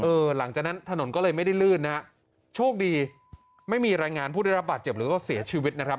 หลังจากนั้นถนนก็เลยไม่ได้ลื่นนะฮะโชคดีไม่มีรายงานผู้ได้รับบาดเจ็บหรือก็เสียชีวิตนะครับ